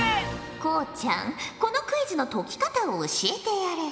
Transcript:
こうちゃんこのクイズの解き方を教えてやれ。